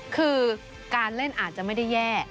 คือการเล่นอาจจะไม่ได้แย่